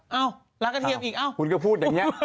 ว้าวรักกระเทียมอีกคุณก็พูดอย่างนี้